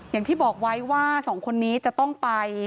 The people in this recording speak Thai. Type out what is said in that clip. อย่างที่บอกไว้ว่าสองคนนี้จะต้องไป